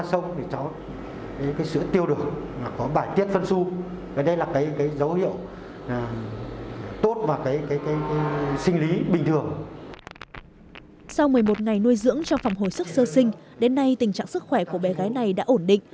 sau một mươi một ngày nuôi dưỡng trong phòng hồi sức sơ sinh đến nay tình trạng sức khỏe của bé gái này đã ổn định